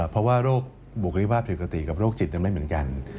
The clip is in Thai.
เพราะว่าโรคบุคลิภาพผิดปกติกับโรคจิตไม่เหมือนกัน